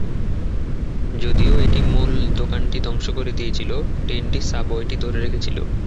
যদিও এটি মূল দোকানটি ধ্বংস করে দিয়েছিল, ট্যান্ডি সাবওয়েটি ধরে রেখেছিল।